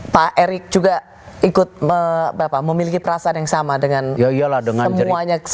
pak erick juga ikut memiliki perasaan yang sama dengan semuanya